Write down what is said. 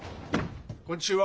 こんちは。